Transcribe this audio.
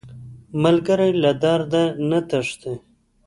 ملګری له درده نه تښتي